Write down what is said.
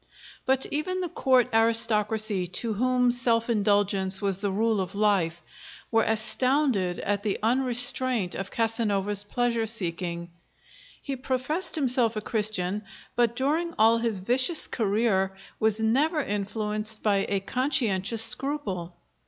But even the court aristocracy, to whom self indulgence was the rule of life, were astounded at the unrestraint of Casanova's pleasure seeking. He professed himself a Christian, but during all his vicious career was never influenced by a conscientious scruple.